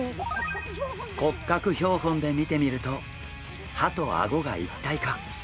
骨格標本で見てみると歯とあごが一体化！